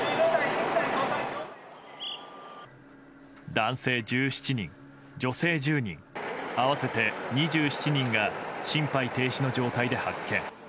男性１７人、女性１０人合わせて２７人が心肺停止の状態で発見。